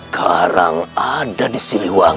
k dragging peralatan